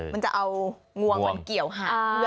มันจะเอาหวังเหมือนเกี่ยวหาคือใช่